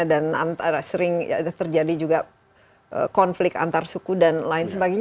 dan sering terjadi juga konflik antar suku dan lain sebagainya